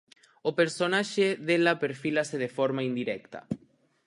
O personaxe dela perfílase de forma indirecta.